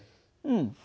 うん。